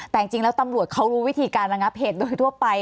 แต่จริงแล้วตำรวจเขารู้วิธีการระงับเหตุโดยทั่วไป